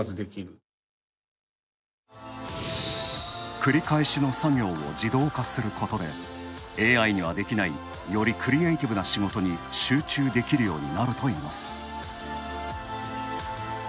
繰り返しの作業を自動化することでＡＩにはできない、よりクリエーティブな仕事に集中できるようになるといいます。